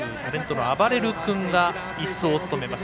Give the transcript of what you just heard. あばれる君が、１走を務めます。